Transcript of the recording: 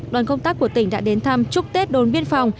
đoàn công tác của tỉnh đã đến thăm chúc tết đồn biên phòng